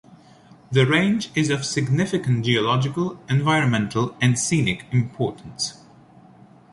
The range is of significant geological, environmental and scenic importance.